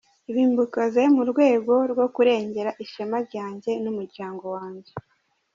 Ibi mbikoze mu rwego rwo kurengera ishema ryanjye n’umuryango wanjye.